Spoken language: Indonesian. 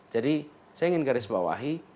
jadi saya ingin garis bawahi